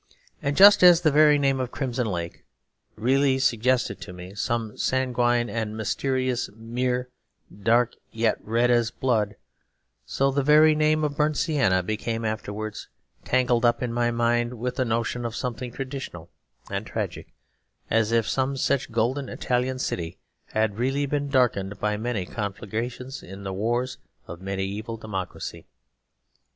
And just as the very name of 'crimson lake' really suggested to me some sanguine and mysterious mere, dark yet red as blood, so the very name of 'burnt sienna' became afterwards tangled up in my mind with the notion of something traditional and tragic; as if some such golden Italian city had really been darkened by many conflagrations in the wars of mediaeval democracy.